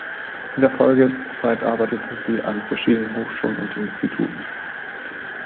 In der Folgezeit arbeitete sie an verschiedenen Hochschulen und Instituten.